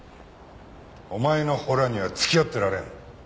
お前のホラには付き合ってられん。